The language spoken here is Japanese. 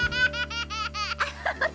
アハハハ。